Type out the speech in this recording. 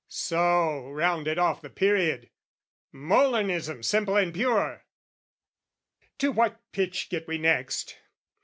So, rounded off the period. Molinism Simple and pure! To what pitch get we next?